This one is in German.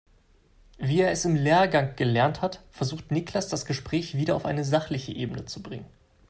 Wie er es im Lehrgang gelernt hat, versucht Niklas das Gespräch wieder auf eine sachliche Ebene zu bringen.